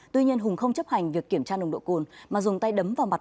tuy nhiên hùng không chấp hành việc kiểm tra nồng độ cồn mà dùng tay đấm vào mặt